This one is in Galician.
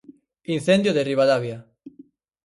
Incendio de Ribadavia.